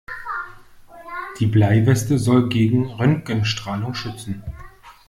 Die Bleiweste soll gegen die Röntgenstrahlung schützen.